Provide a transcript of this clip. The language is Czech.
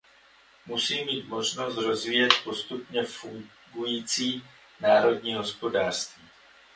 Musí mít možnost rozvíjet postupně fungující národní hospodářství.